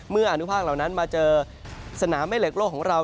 อนุภาคเหล่านั้นมาเจอสนามแม่เหล็กโลกของเรา